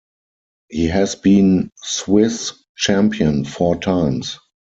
He has been Swiss champion four times.